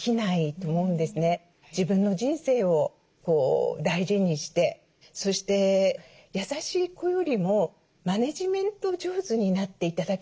自分の人生を大事にしてそして優しい子よりもマネジメント上手になって頂きたいなと思うんです。